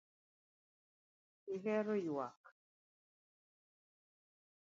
Ihero ywak